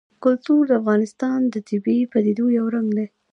کلتور د افغانستان د طبیعي پدیدو یو رنګ دی.